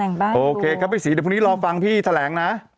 แต่งบ้างโอเคครับพี่ศรีเดี๋ยวพรุ่งนี้รอฟังพี่แถลงนะ